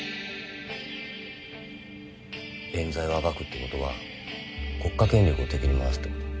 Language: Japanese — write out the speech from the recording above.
えん罪を暴くってことは国家権力を敵に回すってこと。